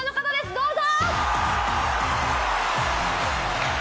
どうぞ。